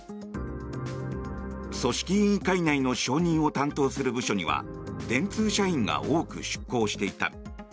組織委員会内の承認を担当する部署には電通社員が多く出向していた。